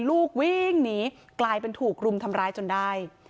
ลูกวิ่งหนีกลายเป็นถูกรุมทำร้ายจนได้